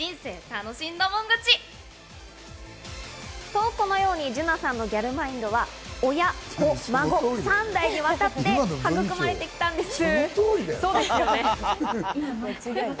と、このように樹菜さんのギャルマインドは親、子、孫に３代にわたって育まれてきたんです。